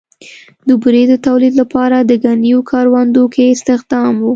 د بورې د تولید لپاره د ګنیو کروندو کې استخدام و.